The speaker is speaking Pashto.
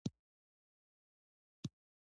د رومي بانجان شیره د پوستکي لپاره وکاروئ